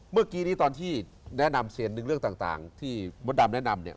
เมื่อกี้นี้ตอนที่แนะนำส่วนหนึ่งเรื่องต่างที่มดดำแนะนำเนี่ย